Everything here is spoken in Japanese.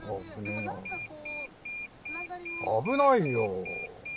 危ないよ。